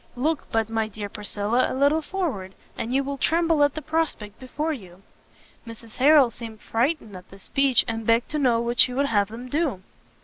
look but, my dear Priscilla, a little forward, and you will tremble at the prospect before you!" Mrs Harrel seemed frightened at this speech, and begged to know what she would have them do?